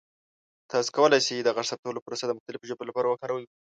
تاسو کولی شئ د غږ ثبتولو پروسه د مختلفو ژبو لپاره کاروئ.